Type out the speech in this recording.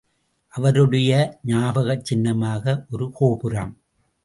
அவருடைய ஞாபகச் சின்னமாக ஒரு கோபுரம்.